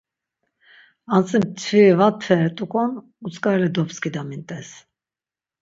Antzi mtviri va mtveret̆uǩon utzǩareli dobskidamint̆es.